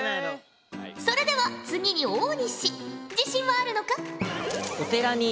それでは次に大西自信はあるのか？